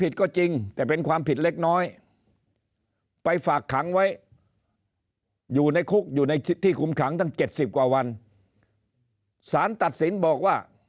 ต้องได้รับเงินเยียวยาด้วย